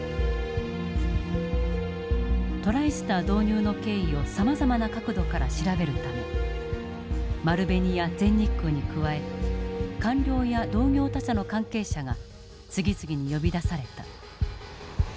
トライスター導入の経緯をさまざまな角度から調べるため丸紅や全日空に加え官僚や同業他社の関係者が次々に呼び出された。